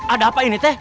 ada apa ini teh